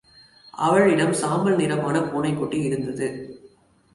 அவளிடம் சாம்பல் நிறமான பூனைக்குட்டி இருந்தது.